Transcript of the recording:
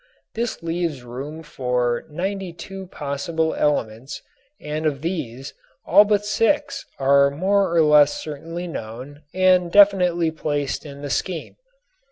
This leaves room for 92 possible elements and of these all but six are more or less certainly known and definitely placed in the scheme.